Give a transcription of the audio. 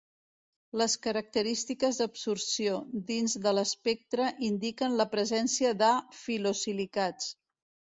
Les característiques d'absorció dins de l'espectre indiquen la presència de filosilicats.